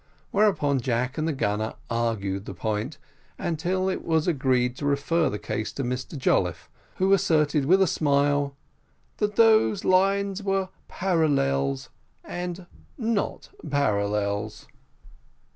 Whereupon Jack and the gunner argued the point, until it was agreed to refer the case to Mr Jolliffe, who asserted, with a smile, that those lines were parallels and not parallels.